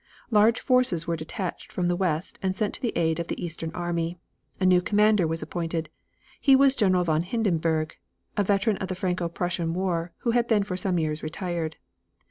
Large forces were detached from the west and sent to the aid of the eastern army. A new commander was appointed. He was General von Hindenburg, a veteran of the Franco Prussian War who had been for some years retired.